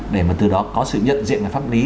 để mà từ đó có sự nhận diện về pháp lý